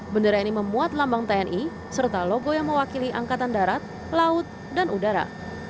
bendera ini memuat lambang tni serta logo yang mewakili angkatan darat laut dan udara